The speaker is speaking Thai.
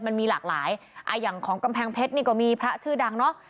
มันมีหลากหลายอย่างของกำแพงเพชรนี่ก็มีพระชื่อดังเนาะ